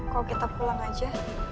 kalau kita pulang aja